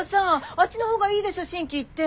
あっちの方がいいでしょ心機一転。